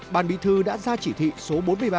bàn bí thư đã ra chỉ thị số bốn mươi ba